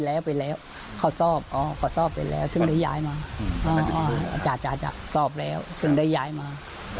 แล้วลูกสาวเราก็ไปอยู่กินด้วยกันทุกท่านไหมคะ